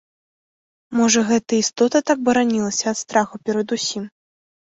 Можа, гэта істота так баранілася ад страху перад усім.